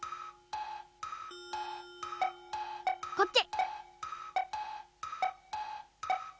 こっち。